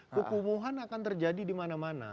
kekumuhan akan terjadi dimana mana